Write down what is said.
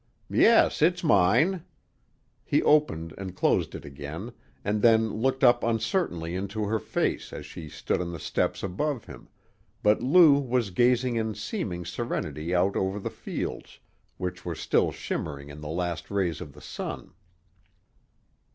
"Yes, it's mine." He opened and closed it again, and then looked up uncertainly into her face as she stood on the steps above him, but Lou was gazing in seeming serenity out over the fields, which were still shimmering in the last rays of the sun.